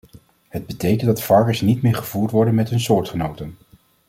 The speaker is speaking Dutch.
Het betekent dat varkens niet meer gevoerd worden met hun soortgenoten.